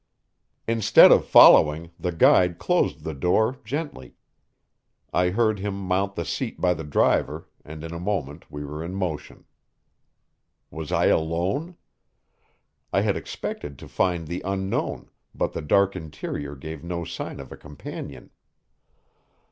Instead of following, the guide closed the door gently; I heard him mount the seat by the driver, and in a moment we were in motion. Was I alone? I had expected to find the Unknown, but the dark interior gave no sign of a companion.